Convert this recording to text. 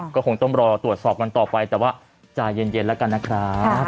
ก็คงต้องรอตรวจสอบกันต่อไปแต่ว่าใจเย็นแล้วกันนะครับ